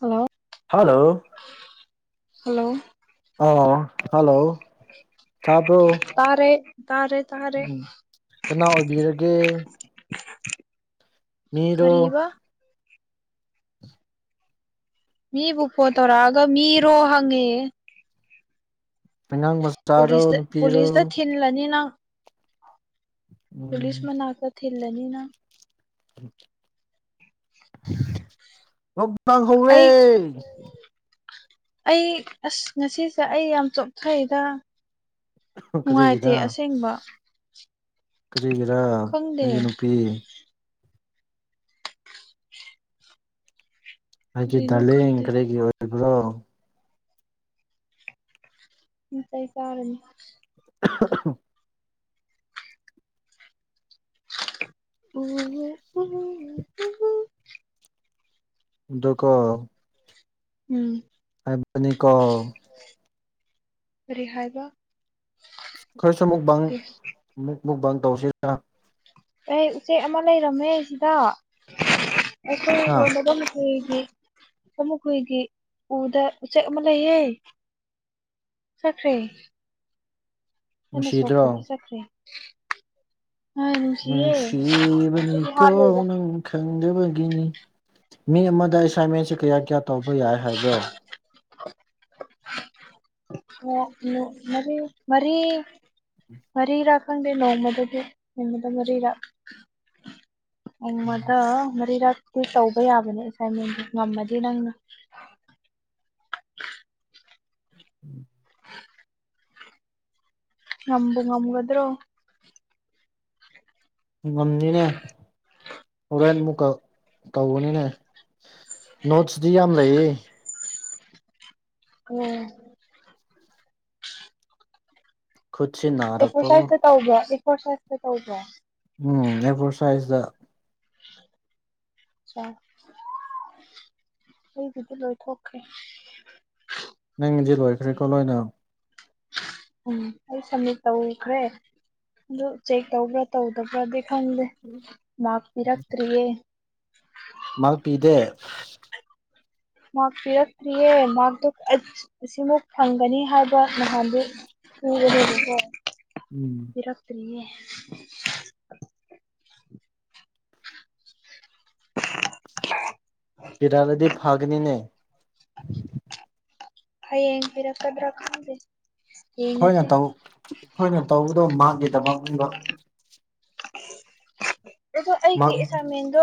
hello hello hello ꯑꯥ hello ꯇꯥꯕ꯭ꯔꯣ ꯇꯥꯔꯦ ꯇꯥꯔꯦ ꯇꯥꯔꯦ ꯎꯝ ꯀꯅꯥ ꯑꯣꯏꯕꯤꯔꯒꯦ ꯃꯤꯔ ꯀꯔꯤꯕ ꯃꯤꯕꯨꯄ ꯇꯔ ꯑꯒ ꯃꯤ ꯏꯔꯣ ꯍꯦ ꯑꯉꯥꯡ ꯃꯆꯥꯔꯣ ꯄꯨꯂꯤꯁꯇ ꯅꯨꯄꯤꯔꯣ ꯄꯨꯂꯤꯁꯇ ꯊꯜꯂꯅꯤꯅꯪ ꯄꯨꯂꯤꯁ ꯎꯝ ꯃꯅꯥꯛꯇ ꯊꯤꯜꯂꯅꯤꯅ ꯎꯝ ꯂꯥꯡ ꯍ ꯑꯩ ꯂꯩꯦ ꯑꯩ ꯑꯁ ꯉꯁꯤꯁꯦ ꯑꯩ ꯌꯥꯝ ꯆꯣꯊꯩꯗ ꯅꯨꯡꯉꯥꯏꯇꯦ ꯑꯁꯦꯡꯕ ꯀꯔꯤꯒꯤꯔꯥ ꯈꯪꯗꯦ ꯑꯩꯪꯒꯤ ꯅꯨꯄꯤ ꯑꯩꯒꯤ ꯀꯔꯤꯅꯣ ꯗꯂꯦꯡ ꯈꯪꯗꯦ ꯀꯔꯤꯒꯤ ꯑꯣꯏꯕ꯭ꯔꯣ ꯎ ꯇꯩꯁꯥꯔꯅꯤ [inaudible] ꯎ ꯎ ꯗꯨꯀꯣ ꯎꯝ ꯍꯥꯏꯕꯅꯤꯀꯣ ꯀꯔꯤ ꯍꯥꯏꯕ ꯈꯔꯁꯨ ꯑꯃꯨꯛꯪ ꯑꯃꯨꯛ ꯃꯨꯛ ꯕꯥꯪ ꯇꯧꯁꯤꯔ ꯑꯩ ꯎꯆꯦꯛ ꯑꯃ ꯂꯩꯔꯝꯃꯦ ꯁꯤꯗ ꯑꯩꯈꯣꯏ ꯍꯥ ꯌꯣꯟꯕꯒ ꯍꯨꯏꯒꯤ ꯑꯃꯨꯛ ꯍꯨꯏꯒꯤ ꯎꯗ ꯎꯆꯦꯛ ꯑꯃ ꯂꯩꯌꯦꯦ ꯁꯈ꯭ꯔꯤ ꯑꯅ ꯅꯨꯡꯁꯤꯗ꯭ꯔꯣ ꯁꯣꯛꯄꯒꯤ ꯆꯠꯈ꯭ꯔꯦ ꯍꯥꯏ ꯅꯨꯡꯁꯤꯌꯦ ꯑꯩꯗꯤ ꯎꯁꯤꯕꯅꯤ ꯍꯥꯠꯂꯣꯏꯗ ꯀꯣꯅꯪ ꯈꯪ ꯪꯒꯤ ꯃꯤ ꯑꯃꯗ ꯑꯦꯁꯥꯏꯟꯃꯦꯟꯁ ꯀꯌꯥ ꯀꯌꯥ ꯇꯧꯕ ꯌꯥꯏ ꯍꯥꯏꯕ꯭ꯔꯣ [inaudible] ꯑꯣ ꯎ ꯃꯔꯤ ꯃꯔꯤ ꯃꯔꯤꯔꯥ ꯈꯪꯗꯦ ꯅꯣꯡꯃꯗꯗꯤ ꯅꯣꯡꯃꯗ ꯃꯔꯤꯔꯥ ꯎꯃꯗ ꯃꯔꯤ ꯔ ꯑꯗꯨ ꯇꯧꯕ ꯌꯥꯕꯅꯦ ꯑꯦꯁꯥꯏꯟꯃꯦꯟꯗꯨ ꯉꯝꯃꯗꯤ ꯅꯪꯅ [unintelligible] ꯎꯝ ꯉꯝꯝꯕ ꯉꯝꯒꯗ꯭ꯔꯣ ꯉꯝꯅꯤꯅꯦ ꯍꯣꯔꯦꯟ ꯑꯃꯨꯛꯀ ꯇꯧꯒꯅꯤꯅꯦ ꯅꯣꯠꯁꯤꯗꯤ ꯌꯥꯝ ꯂꯩꯌꯦ ꯎꯝ ꯈꯨꯠꯁꯤ ꯅꯥꯔꯛꯄꯕꯨ ꯑꯦꯛꯁꯔꯁꯥꯏꯁꯇ ꯇꯧꯕ꯭ꯔꯥ ꯑꯦꯛꯁꯔꯁꯥꯏꯖꯇ ꯇꯧꯕ꯭ꯔꯥ ꯎꯝ ꯑꯩꯕꯣꯔ ꯁꯥꯏꯖꯗ ꯑꯩꯕꯨꯗꯤ ꯂꯣꯏꯊꯣꯛꯀꯦ ꯅꯪꯗꯤ ꯂꯣꯏꯈ꯭ꯔꯦꯀꯣ ꯅꯣꯏꯅ ꯎꯝ ꯑꯩ ꯁꯝꯃꯤꯠ ꯇꯧꯈ꯭ꯔꯦ ꯑꯗꯨ ꯆꯦꯛ ꯇꯧꯕ꯭ꯔꯥ ꯇꯧꯗꯕ꯭ꯔꯗꯤ ꯈꯪꯗꯦ ꯃꯥꯥꯛꯄꯤꯤꯔꯛꯇ꯭ꯔꯤꯌꯦ ꯃꯥꯔꯛ ꯄꯤꯗꯦ ꯃꯥꯔ ꯄꯤꯔꯛꯇ꯭ꯔꯤꯌꯦ ꯃꯥꯔꯛꯇꯣ ꯑꯁꯤꯃꯨ ꯐꯪꯒꯅꯤ ꯍꯥꯏꯕ ꯅꯍꯥꯟꯗꯨ ꯎꯝ ꯎꯝ ꯐꯔꯥꯇꯔꯤꯌꯦ [inaudible] ꯎꯝ ꯍꯌꯦꯡ ꯄꯤꯔꯛꯀꯗ꯭ꯔꯥ ꯈꯪꯗꯦ ꯑꯩꯈꯣꯏꯅ ꯌꯦꯡꯉꯁꯤ ꯇꯧ ꯑꯩꯈꯣꯏꯅ ꯇꯧꯕꯗꯣ ꯃꯥꯒꯤꯗꯃꯛꯅꯤꯕ ꯑꯗꯣ ꯑꯩꯒꯤ ꯃꯥꯔꯛ ꯏꯁꯥꯃꯦꯟꯗꯣ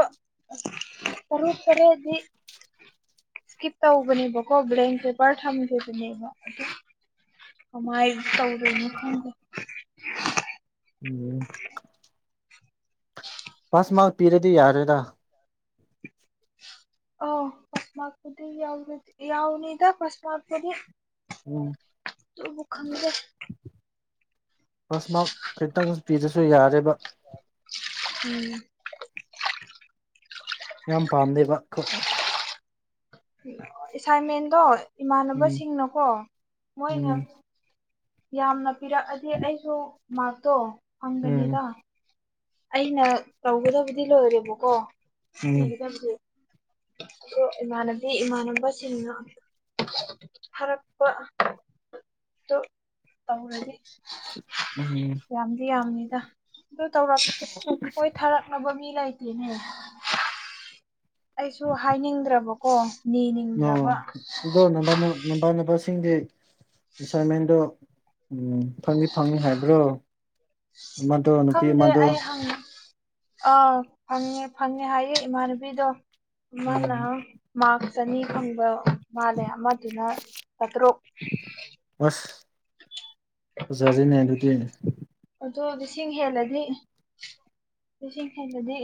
ꯇꯔꯨ ꯈꯔꯦꯗꯤ ꯏꯁꯀꯤꯞ ꯇꯧꯧꯕꯕꯅꯤ ꯕ꯭ꯂꯦꯡ ꯄꯦꯄꯔ ꯊꯝꯖꯦꯕꯅꯤꯕ ꯑꯗꯨ ꯀꯃꯥꯏꯅ ꯇꯧꯔꯣꯏꯅ ꯈꯪꯗꯦ ꯎꯝ ꯐꯁ ꯃꯥ ꯄꯤꯔꯗꯤ ꯌꯥꯔꯦꯗ ꯑꯣ ꯐꯁꯃꯥꯛꯄꯤꯗꯤ ꯌꯥꯎꯗꯤ ꯌꯥꯎꯅꯤꯗ ꯐꯁꯃꯄꯗꯤ ꯎꯝ ꯇꯕꯨ ꯈꯪꯗꯦ ꯐꯁ ꯃꯥ ꯈꯤꯇꯪ ꯄꯤꯗꯁꯨ ꯌꯥꯔꯦꯕ ꯎꯝ ꯌꯥꯝ ꯄꯥꯝꯗꯦꯕꯣꯏ ꯑꯦꯁꯥꯏꯟꯃꯦꯟꯗꯣ ꯎꯝ ꯏꯃꯥꯟꯅꯕꯁꯤꯡꯅꯀꯣ ꯃꯣꯏꯅ ꯎꯝ ꯌꯥꯝꯅ ꯄꯤꯔꯛꯑꯗꯤ ꯑꯩꯁꯨ ꯃꯥꯔꯛꯇꯣ ꯎꯝ ꯐꯪꯒꯅꯤꯗ ꯑꯩꯅ ꯇꯧꯒꯗꯕꯗꯤ ꯂꯣꯏꯔꯦꯕꯀꯣ ꯎꯝ ꯁꯤꯤꯒꯗꯕꯁꯦ ꯏꯃꯥꯟꯅꯕꯤ ꯏꯃꯥꯟꯅꯕꯁꯤꯡꯅ ꯊꯔꯛꯄ ꯑꯗꯨ ꯇꯧꯔꯅꯤ ꯎꯝ ꯌꯥꯝꯗꯤ ꯌꯥꯝꯅꯤꯗ ꯑꯗꯨ ꯇꯧꯔꯛ ꯍꯣꯏ ꯊꯥꯔꯛꯅꯕ ꯃꯤ ꯂꯩꯇꯦꯅꯦ ꯑꯩꯁꯨ ꯍꯥꯏꯅꯤꯡꯗ꯭ꯔꯕꯀꯣ ꯑ ꯅꯤꯅꯤꯡꯗ꯭ꯔꯕ ꯑꯗꯣ ꯅ ꯅꯃꯥꯟꯅꯕꯁꯤꯡꯁ ꯑꯦꯁꯥꯏꯟꯃꯦꯟꯗꯣ ꯎꯝ ꯐꯪꯅꯤ ꯐꯪꯅꯤ ꯍꯥꯏꯕ꯭ꯔꯣ ꯏꯃꯗꯨ ꯅꯨꯄꯤ ꯏ ꯈꯪꯗꯦ ꯃꯗꯨꯣ ꯑꯩ ꯍꯪ ꯑꯥ ꯐꯪꯉꯦ ꯐꯪꯉꯦ ꯍꯥꯏꯌꯦ ꯏꯃꯥꯟꯅꯕꯤꯗꯣ ꯎꯝ ꯏꯅ ꯆꯅꯤ ꯐꯪꯕ ꯃꯥꯜꯂꯦ ꯑꯃꯗꯨꯅ ꯆꯥꯇꯔꯨꯛ ꯑꯁ ꯑꯣꯖꯥꯖꯤꯅꯦ ꯑꯗꯨꯗꯤꯅꯦ ꯑꯗꯣ ꯂꯤꯁꯤꯡ ꯍꯦꯜꯂꯗꯤ ꯂꯤꯁꯤꯡ ꯍꯦꯜꯂꯗꯤ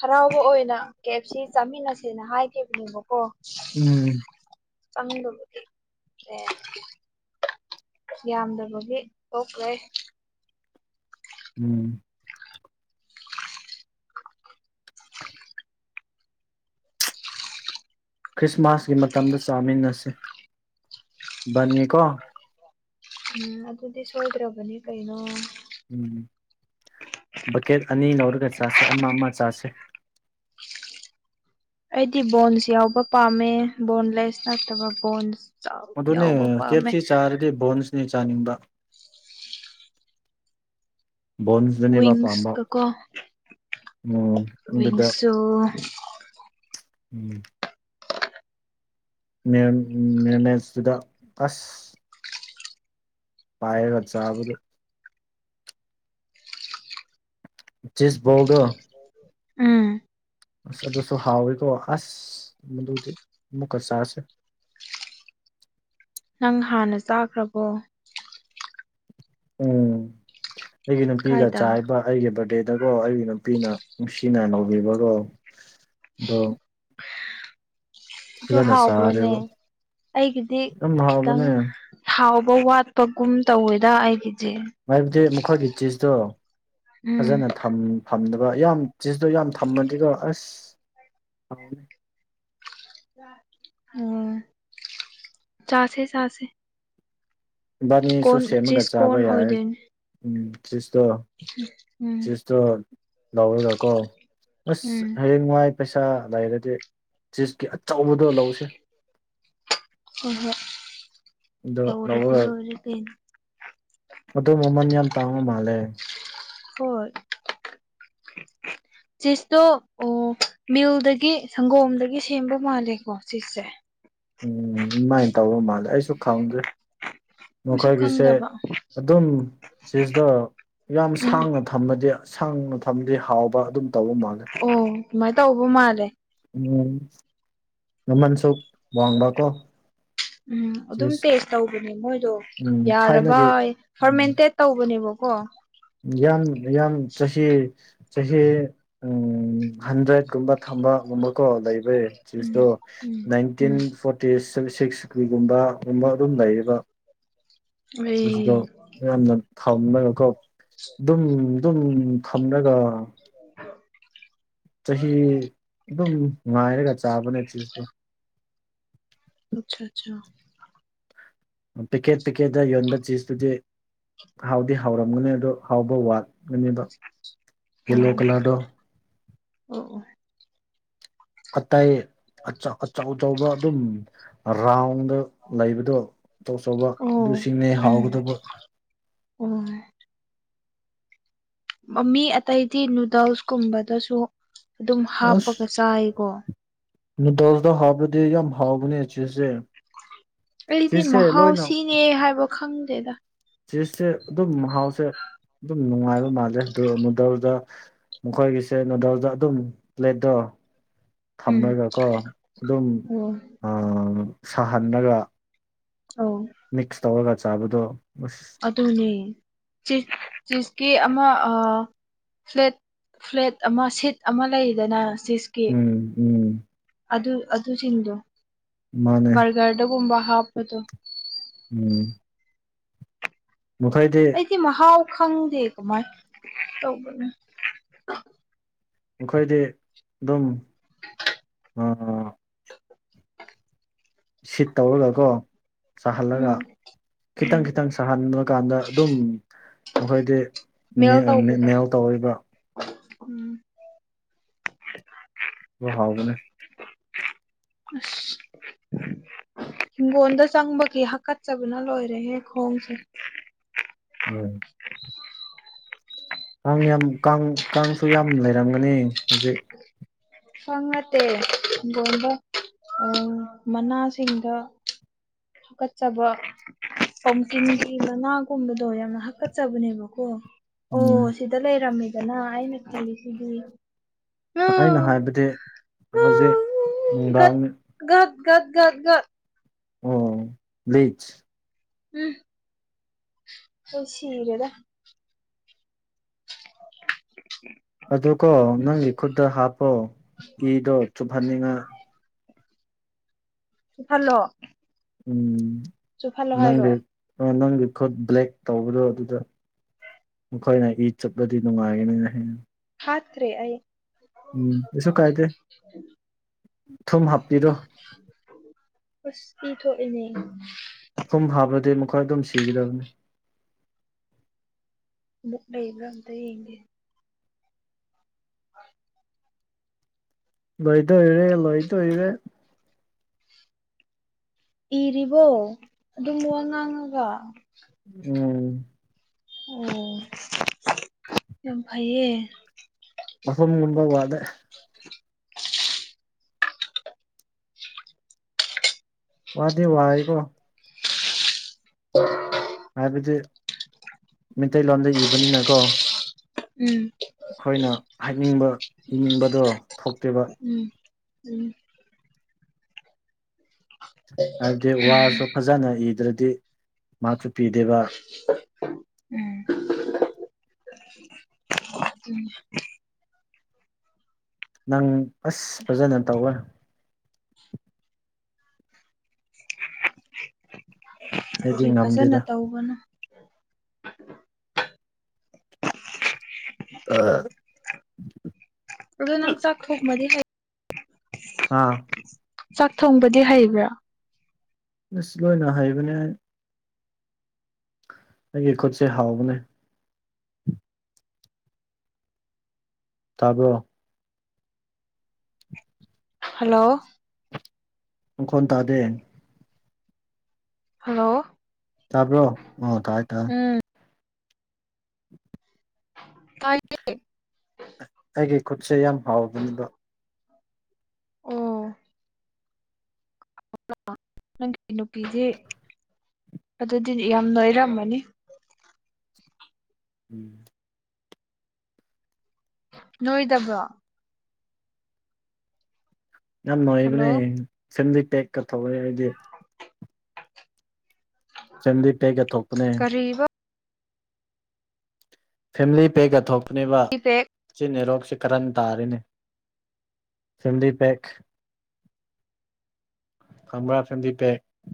ꯍꯔꯥꯎꯕ ꯑꯣꯏꯅ ꯀꯦꯞꯁꯤ ꯆꯥꯃꯤꯟꯅꯁꯦꯅ ꯍꯥꯏꯈꯤꯕꯅꯦꯕꯀꯣ ꯎꯝ ꯆꯗꯕ ꯑꯦ ꯌꯥꯝꯗꯕꯒꯤ ꯊꯣꯛꯈ꯭ꯔꯦ ꯎꯝ ꯈ꯭ꯔꯤꯁꯃꯥꯁꯀꯤ ꯃꯇꯝꯗ ꯆꯥꯃꯤꯟꯅꯁꯦ ꯕꯅꯤꯅꯤꯀꯣ ꯎꯝ ꯑꯗꯨꯗꯤ ꯁꯣꯏꯗ꯭ꯔꯕꯅꯦ ꯀꯩꯅꯣ ꯎꯝ ꯕꯛꯀꯦꯠ ꯑꯅꯤ ꯂꯧꯔꯒ ꯆꯥꯁꯦ ꯑꯃ ꯑꯃ ꯆꯥꯁꯦ ꯑꯩꯗꯤ ꯕꯣꯟꯁ ꯌꯥꯎꯕ ꯄꯥꯝꯃꯦ ꯕꯣꯟꯂꯦꯁ ꯅꯠꯇꯕ ꯕꯣꯟꯁ ꯆꯥꯎ ꯑꯗꯨꯅꯦ ꯌꯥꯎꯕ ꯀꯦꯞ ꯄꯥꯝꯃꯦ ꯁꯤ ꯆꯥꯔꯗꯤ ꯕꯣꯟꯁꯅꯦ ꯆꯥꯅꯤꯡꯕ ꯕꯣꯟꯁꯇꯨꯅꯦꯕ ꯋꯡꯁ ꯄꯥꯝꯕ ꯀꯀꯣ ꯎꯝ ꯑꯗꯨꯗ ꯋꯡꯁ ꯎꯝ ꯃꯅꯦꯇꯗ ꯑꯁ ꯄꯌꯦꯒ ꯆꯕꯗ ꯁꯕꯣꯜꯗꯣ ꯑꯝ ꯑꯁ ꯑꯗꯨꯁꯨ ꯍꯥꯎꯋꯦꯀꯣ ꯑꯁ ꯃꯗꯨꯗꯤ ꯑꯃꯨꯛꯀ ꯆꯔꯥꯁꯦ [unintelligible] ꯅꯪ ꯍꯥꯟꯅ ꯆꯥꯈ꯭ꯔꯕꯣ ꯎꯝ ꯑꯩꯒꯤ ꯅꯨꯄꯤꯒ ꯀꯥꯏꯗ ꯆꯥꯏꯕ ꯑꯩꯒꯤ ꯕꯥꯔꯗꯦ ꯗꯀꯣ ꯑꯩꯒꯤ ꯅꯨꯄꯤꯅ ꯅꯨꯡꯁꯤ ꯅꯧꯕꯤꯕꯀꯣ ꯑꯗꯣ ꯑꯗ ꯐꯖꯅ ꯍꯥꯎꯕ꯭ꯔꯣꯅꯦ ꯆꯥꯔꯦꯕ ꯑꯩꯒꯤꯗꯤ ꯌꯥꯝ ꯈꯤꯇꯪ ꯍꯥꯎꯕꯅꯦ ꯍꯥꯎꯕ ꯋꯥꯠꯄꯒꯨꯝ ꯇꯧꯋꯦꯗ ꯑꯩꯗꯤ ꯍꯥꯏꯕꯨꯗꯤ ꯃꯈꯣꯏꯒꯤ ꯆꯤꯁꯇꯣ ꯎꯝ ꯐꯖꯅ ꯐꯝꯕ ꯑꯗꯨꯒ ꯌꯥꯝꯌꯥꯝ ꯆꯖꯇꯣ ꯌꯥꯝ ꯊꯝꯃꯗꯤꯀꯣ ꯑꯁꯅꯦ ꯎꯝ ꯆꯥꯁꯦ ꯆꯥꯁꯦ ꯍꯕꯥꯅꯤ ꯀꯣꯟ ꯁꯁ ꯆꯤꯁ ꯑꯃꯒꯠꯖꯕ ꯀꯣꯟ ꯌꯥ ꯑꯣꯏꯗꯣꯏꯅꯦ ꯎꯝ ꯆꯁꯇꯣ ꯎꯝ ꯆꯁꯇꯣ ꯂꯥꯎꯑꯣꯔꯀꯣ ꯑꯁ ꯎꯝ ꯍꯌꯦꯡ ꯅꯨꯡꯉꯥꯏ ꯄꯩꯁꯥ ꯂꯩꯔꯗꯤ ꯆꯀꯤ ꯑꯆꯧꯕꯗ ꯂꯧꯁꯦ ꯍꯣꯏ ꯍꯣꯏ ꯑꯗꯣ ꯂꯧꯔꯗꯤ ꯂꯣꯏꯔꯦ ꯀ ꯑꯗꯨꯗꯨ ꯃꯃꯟ ꯌꯥꯝꯟ ꯇꯥꯉꯣ ꯃꯥꯜꯂꯦ ꯍꯣꯏ [unintelligible] ꯆꯤꯁꯇꯣ ꯑꯣ ꯃꯤꯜꯗꯒꯤ ꯁꯪꯒꯣꯝꯗꯒꯤ ꯁꯦꯝꯕ ꯃꯥꯜꯂꯦꯀꯣ ꯆꯤꯁꯁꯦ ꯎꯝ ꯑꯗꯨꯃꯥꯏꯅ ꯇꯧꯕ ꯃꯥꯜꯂꯦ ꯑꯩꯁꯨ ꯈꯪꯗ꯭ꯔꯦ ꯑꯁꯨ ꯈꯪꯗꯕ ꯑꯗꯨꯝ ꯁꯤꯁꯤꯗ ꯌꯥꯝ ꯎꯝ ꯁꯥꯡꯅ ꯊꯝꯃꯗꯤ ꯁꯥꯡꯅ ꯊꯝꯗꯤ ꯍꯥꯎꯕ ꯑꯗꯨꯝ ꯇꯧꯕ ꯃꯥꯂꯦ ꯑꯣ ꯑꯗꯨꯃꯥꯏꯅ ꯇꯧꯕ ꯃꯥꯜꯂꯦ ꯎꯝ ꯅꯃꯟꯁꯨꯛ ꯋꯥꯡꯕꯥꯀꯣ ꯎꯝ ꯑꯗꯨꯝ ꯇꯦꯁ ꯇꯧꯕꯅꯦ ꯃꯣꯏꯗꯣ ꯎꯝ ꯌꯥꯔꯕ ꯊꯥꯏꯅꯒꯤ ꯎꯝ ꯐꯔꯃꯦꯟꯇꯦꯠ ꯇꯧꯕꯅꯦꯕ ꯑꯣ ꯌꯥꯝ ꯌꯥꯝ ꯆꯍꯤ ꯆꯍꯤ ꯍꯟꯗ꯭ꯔꯦꯠꯀꯨꯝꯕ ꯊ ꯨꯝꯕ ꯀꯣ ꯂꯩꯕ ꯎꯝ ꯁꯤꯇ ꯎꯝ ꯅꯥꯏꯟꯇꯤꯟ ꯎꯝ ꯐꯣꯔꯇ ꯁ ꯁꯤꯛꯁ ꯀ꯭ꯔꯤꯒꯨꯝꯕꯒꯨꯝꯕ ꯑꯗꯨꯝ ꯂꯩꯌꯦꯕ ꯑꯗꯨꯗꯣ ꯑꯠꯆꯥ ꯃꯌꯥꯝꯅ ꯊꯝꯃꯒꯀꯣ ꯑꯗꯨꯝ ꯑꯗꯨꯝ ꯊꯝꯂꯒ [unintelligible] ꯆꯍꯤ ꯑꯗꯨꯝ ꯉꯉꯥꯏꯔꯒ ꯆꯥꯕꯅꯦ ꯆꯖꯇꯨ ꯑꯆꯥ ꯑꯆꯥ ꯄꯦꯛꯀꯦꯠ ꯄꯦꯛꯀꯦꯠꯇ ꯌꯣꯟꯕ ꯆꯖꯇꯨꯗꯤ ꯍꯥꯎꯗꯤ ꯍꯥꯎꯔꯝꯒꯅꯤ ꯑꯗꯨ ꯍꯥꯎꯕ ꯋꯥꯠ ꯑꯗ ꯑꯣ ꯌꯦꯜꯂꯣ ꯀꯂꯔꯗꯣ ꯑꯣ ꯑꯇꯩꯥꯏ ꯑꯆꯥꯎ ꯑ ꯆꯥꯎꯧꯕ ꯑꯗꯨꯝ ꯔꯥꯎꯟꯗ ꯂꯩꯕꯗꯣ ꯑꯆꯧ ꯑꯆꯧꯕ ꯑꯣ ꯑꯣ ꯑꯗꯨꯁꯤꯡꯅꯦ ꯍꯥꯎꯒꯗꯕ ꯑꯣ ꯃ ꯃꯤ ꯑꯇꯩꯗꯤ ꯅꯨꯗꯜꯁꯀꯨꯝꯕꯗꯁꯨ ꯑꯗꯨꯝ ꯍꯥꯞꯄꯒ ꯆꯥꯏꯀꯣ ꯃ ꯗꯁꯗꯣ ꯍꯥꯕꯗꯤ ꯌꯥ ꯃꯍꯥꯎꯕꯅꯤꯆꯦꯁꯦ ꯑꯩꯗꯤ ꯃꯍꯥꯎꯁꯤꯅꯦ ꯍꯥꯏꯕ ꯈꯪꯗꯦꯗ ꯆꯤꯁꯁꯦ ꯑꯗꯨꯝ ꯃꯍꯥꯎꯁꯦ ꯑꯗꯨꯝ ꯅꯨꯡꯉꯥꯏꯕ ꯃꯥꯜꯂꯦ ꯑꯃꯗꯧꯗ ꯃꯈꯣꯏꯒꯤꯁꯦ ꯅꯨꯣꯗꯜꯗ ꯑꯗꯨꯝ ꯄ꯭ꯂꯦꯠꯇꯣ ꯎꯝ ꯊꯝꯃꯒꯀꯣ ꯑꯗꯨꯝ ꯑꯣ ꯁꯥꯍꯂꯒ ꯑꯧ ꯃꯤꯛꯁ ꯇꯧꯔꯒ ꯆꯥꯕꯗꯣ ꯑꯁ ꯑꯗꯨꯅꯦ ꯆꯤꯁꯀꯤ ꯑꯃ ꯐ꯭ꯂꯦꯠ ꯐ꯭ꯂꯦꯠ ꯑꯃ ꯁꯤꯠ ꯑꯃ ꯂꯩꯗꯅ ꯆꯤꯁꯀꯤ ꯎꯝ ꯎꯝ ꯑꯗꯨ ꯑꯗꯨꯁꯤꯡꯗꯣ ꯃꯥꯅꯦ ꯕꯔꯒꯔꯗꯒꯨꯝꯕ ꯍꯥꯞꯄꯗꯣ ꯎꯝ ꯃꯈꯣꯏꯗꯤ ꯑꯩꯗꯤ ꯃꯍꯥꯎ ꯈꯪꯗꯦ ꯀꯃꯥꯏ ꯇꯧꯕꯅꯤ ꯃꯈꯣꯏꯗꯤ ꯑꯗꯨꯝ [unintelligible] ꯎꯝ ꯁꯤꯠ ꯇꯧꯔꯒꯀꯣ ꯁꯥꯍꯜꯂꯒ ꯎꯝ ꯎꯝ ꯈꯤꯇꯪ ꯈꯤꯇꯪ ꯁꯥꯍꯟꯕ ꯀꯥꯟꯗ ꯑꯗꯨꯝ ꯃꯈꯣꯏꯗꯤ ꯃꯦꯜ ꯇꯧꯕꯗꯣ ꯃꯦꯦꯜ ꯇꯧꯔꯤꯕ ꯎꯝ ꯑꯗꯨ ꯍꯥꯎꯕꯅꯦ ꯑ ꯍꯤꯡꯒꯣꯜꯗ ꯆꯪꯕꯒꯤ ꯍꯥꯀꯠꯆꯕꯅ ꯂꯣꯏꯔꯦꯍꯦ ꯈꯣꯡꯁꯦ ꯎꯝ ꯀꯥꯡ ꯌꯥꯝ ꯀꯥꯡ ꯀꯥꯡꯁꯨ ꯌꯥꯝ ꯂꯩꯔꯝꯒꯅꯤ ꯍꯧꯖꯤꯛ ꯐꯉ ꯇꯦ ꯣꯝꯕ ꯃꯅꯥꯁꯤꯡꯗ ꯍꯥꯀꯠꯆꯕ ꯄꯝꯀꯤ ꯅꯨꯡꯀꯤ ꯃꯅꯥꯥꯒꯨꯝꯕꯗꯣ ꯌꯥꯝꯅ ꯍꯥꯀꯠꯆꯕꯅꯦꯕꯀꯣ ꯎꯝ ꯑꯣ ꯁꯤꯗ ꯂꯩꯔꯝꯃꯦꯗꯅ ꯑꯩꯅ ꯈꯜꯂꯤꯁꯤꯗꯤ ꯑꯩꯅ ꯍꯥꯏꯕꯗꯤ ꯍꯧꯖꯤꯛ ꯒꯠ ꯅꯨꯡꯗꯥꯡꯅꯤ ꯒꯠ ꯒꯠ ꯒꯗꯒꯠ ꯑꯣ ꯖ ꯎꯝ ꯑ ꯁꯤꯒꯗ ꯑꯗꯨꯀꯣ ꯅꯪꯒꯤ ꯈꯨꯠꯇ ꯍꯥꯞꯄꯣ ꯏꯗꯣ ꯆꯨꯞꯍꯟꯅꯤꯡꯉ ꯁꯤ ꯐꯜꯂꯣ ꯎꯝ ꯅꯪꯒꯦ ꯑ ꯅꯪ ꯈꯨꯠ ꯈꯨꯠ ꯕ꯭ꯂꯦꯛ ꯇꯧꯕꯗꯣ ꯑꯗꯨꯗ ꯃꯈꯣꯏꯅ ꯏ ꯆꯠꯄꯗꯤ ꯅꯨꯡꯉꯥꯏꯒꯅꯤꯅ ꯍꯌꯦꯟꯅ ꯈꯇ꯭ꯔꯦ ꯑꯩ ꯀꯩꯁꯨ ꯀꯥꯏꯗꯦ ꯊꯨꯝ ꯍꯥꯞꯄꯤꯔꯣ ꯑꯁ ꯄꯤ ꯊꯣꯛꯏꯅꯦ ꯊꯨꯝ ꯍꯥꯞꯂꯗꯤ ꯃꯈꯣꯏ ꯑꯗꯨꯝ ꯁꯤꯒꯗꯕꯅꯤ ꯑꯃꯨꯛ ꯂꯩꯕ꯭ꯔꯥ ꯑꯝꯇ ꯌꯦꯡꯒꯦ ꯍ ꯂꯣꯏꯗ ꯍꯣꯏꯔꯦ ꯂꯣꯏ ꯇ ꯑꯣꯏꯣꯏꯔꯦ ꯏꯔꯤꯕꯣ ꯑꯗꯨꯝ ꯋꯥ ꯉꯥꯡꯉꯒ ꯎꯝ ꯑꯣ ꯌꯥꯝ ꯐꯩꯌꯦ ꯗꯩ ꯋꯥꯗꯤ ꯋꯥꯏꯀꯣ [inaudible] ꯍꯥꯏꯕꯗꯤ ꯃꯤꯇꯩꯂꯣꯟꯗ ꯏꯕꯅꯤꯅꯀꯣ ꯎꯝ ꯑꯩꯈꯣꯏꯅ ꯍꯥꯏꯅꯤꯡꯕ ꯏꯅꯤꯡꯕꯗꯣ ꯊꯣꯛꯇꯦꯕ ꯎꯝ ꯎꯝ ꯍꯥꯏꯕꯗꯤ ꯋꯥꯁꯨ ꯐꯖꯅ ꯏꯗ꯭ꯔꯗꯤ ꯃꯥꯛꯁꯨ ꯄꯤꯗꯦꯕ ꯎꯝ ꯅꯪ ꯑꯁ ꯐꯖꯅ ꯇꯧꯋꯦ ꯑꯩꯗꯤ ꯀꯔꯤ ꯐꯖꯅ ꯉꯝꯗꯦꯗ ꯇꯧꯕꯅ ꯑꯥ ꯑꯗꯣ ꯅꯪ ꯆꯥꯛ ꯊꯣꯡꯕꯗꯤ ꯍꯩ ꯑꯥ ꯆꯥꯛ ꯊꯣꯡꯕꯗꯤ ꯍꯩꯕ꯭ꯔꯥ ꯑꯁ ꯂꯣꯏꯅ ꯍꯩꯕꯅꯦ ꯑꯩ ꯑꯩꯒꯤ ꯈꯨꯠꯁꯦ ꯍꯥꯥꯎꯕꯅꯦ ꯇꯥꯕ꯭ꯔꯣ [inaudible] ꯍꯜꯂꯣ ꯃꯈꯣꯟ ꯇꯥꯗꯦ ꯍꯜꯂꯣ ꯇꯥꯕ꯭ꯔꯣ ꯑꯣ ꯇꯥꯏ ꯇꯥꯏ ꯎꯝ ꯇꯥꯏ ꯌꯦ ꯑꯩꯒꯤ ꯈꯨꯠꯁꯦ ꯌꯥꯝ ꯍꯥꯎꯕꯅꯦꯕ ꯑꯣ [unintelligible] ꯅꯪꯒꯤ ꯅꯨꯄꯤꯗꯤ ꯑꯗꯨꯗꯤ ꯌꯥꯝ ꯅꯣꯏꯔꯝꯃꯅꯤ ꯎꯝ ꯅꯣꯏꯗꯕ꯭ꯔꯣ ꯌꯥꯝ ꯍꯜꯂꯣ ꯅꯣꯏꯕꯅꯦ ꯐꯦꯝꯂꯤ ꯄꯦꯛꯀ ꯊꯣꯛꯂꯦ ꯑꯩꯗꯤ ꯆꯟꯗꯤ ꯄꯦꯛꯒ ꯊꯣꯛꯄꯅꯦ ꯀꯔꯤꯕ ꯐꯦꯃꯤꯂꯤ ꯄꯦꯛꯀ ꯊꯣꯛꯄꯅꯦꯕ ꯄꯦ ꯆꯤꯟꯅꯦꯔꯣꯛꯆꯤ ꯀꯔꯟ ꯇꯥꯔꯦꯅꯦ ꯐꯦꯃꯤꯂꯤ ꯄꯦꯛ ꯈꯪꯕ꯭ꯔꯥ ꯐꯦꯝꯂꯤ ꯄꯦꯛ